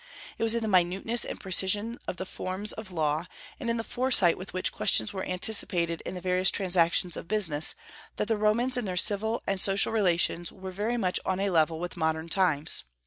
It was in the minuteness and precision of the forms of law, and in the foresight with which questions were anticipated in the various transactions of business, that the Romans in their civil and social relations were very much on a level with modern times.